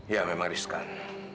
ya memang risikan